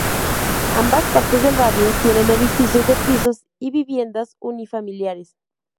Ambas partes del barrio tienen edificios de pisos y viviendas unifamiliares.